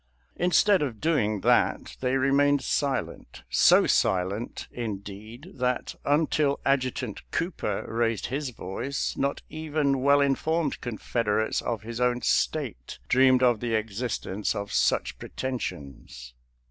Instead of doing that they remained silent — so silent, indeed, that un til Adjutant Cooper raised his voice not even well informed Confederates of his own State dreamed of the existence of such pretensions.